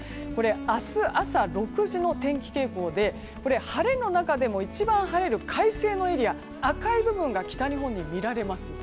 明日朝６時の天気傾向で晴れの中でも一番晴れる快晴のエリアが赤い部分が北日本に見られます。